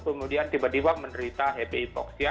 kemudian tiba tiba menderita happy hypoxia